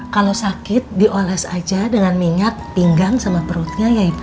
kalau sakit dioles aja dengan minyak pinggang sama perutnya ya ibu